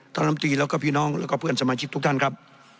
ลำตีแล้วก็พี่น้องแล้วก็เพื่อนสมาชิกทุกท่านครับ